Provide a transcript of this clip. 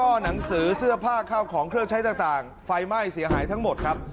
หนังสือเสื้อผ้าข้าวของเครื่องใช้ต่างไฟไหม้เสียหายทั้งหมดครับ